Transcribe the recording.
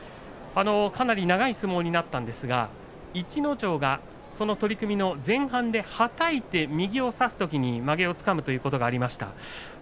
かなり長い相撲になったんですが逸ノ城が取組の前半ではたいて右を差すときにまげをつかむということがありました。